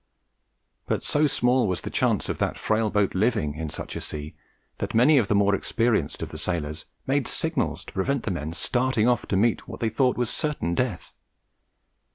But so small was the chance of that frail boat living in such a sea, that many of the most experienced of the sailors made signals to prevent the men starting off to meet what they thought was certain death.